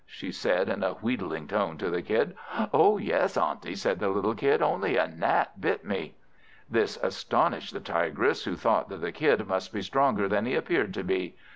said she in a wheedling tone to the Kid. "Oh yes, Auntie," said the little Kid, "only a gnat bit me." This astonished the Tigress, who thought that the Kid must be stronger than he appeared to be.